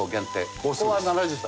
ここは７０歳。